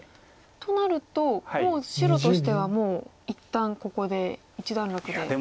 となるともう白としては一旦ここで一段落で。